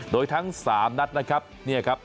โดยทั้ง๓นัดนะครับ